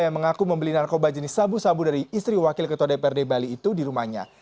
yang mengaku membeli narkoba jenis sabu sabu dari istri wakil ketua dprd bali itu di rumahnya